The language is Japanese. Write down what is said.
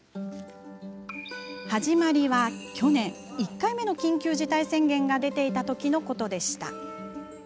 始まりは、去年１回目の緊急事態宣言が出ていたときのことでした。